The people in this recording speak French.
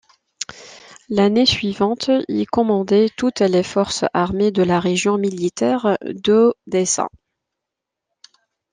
L'année suivante, il commandait toutes les forces armées de la région militaire d'Odessa.